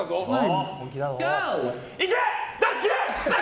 いけ！